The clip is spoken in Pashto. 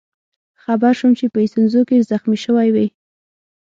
خبر شوم چې په ایسونزو کې زخمي شوی وئ.